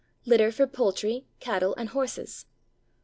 Litter for poultry, cattle, and horses.